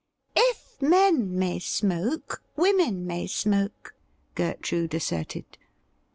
'If men may «moke, women may smoke,' Gertrude asserted.